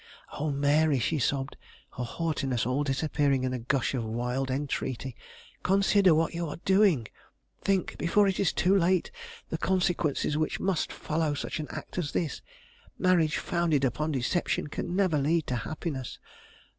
"Oh, Mary," she sobbed, her haughtiness all disappearing in a gush of wild entreaty, "consider what you are doing! Think, before it is too late, of the consequences which must follow such an act as this. Marriage founded upon deception can never lead to happiness.